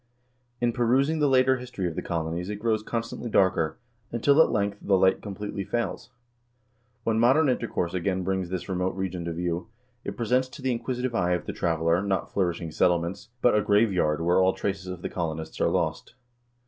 In perusing the later history of the colonies it grows constantly darker, until, at length, the light completely fails. When modern intercourse again brings this remote region to view, it presents to the inquisitive eye of the traveler, not flourishing settlements, but a graveyard where all traces of the colonists are lost.